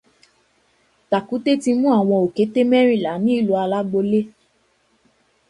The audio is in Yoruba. Tàkútẹ́ ti mú àwọn òkété mẹ́rìnlá ní ìlú Alágbolé